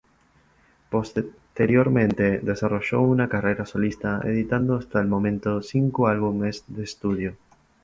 Posteriormente desarrolló una carrera solista, editando hasta el momento cinco álbumes de estudio.